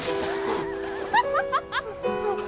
ハハハハ！